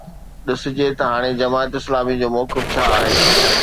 ڏسجي ته هاڻي جماعت اسلامي جو موقف ڇا آهي.